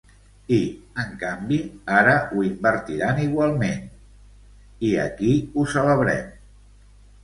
I, en canvi, ara ho invertiran igualment… i aquí ho celebrem.